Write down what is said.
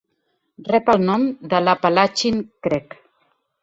Rep el nom de l'Apalachin Creek.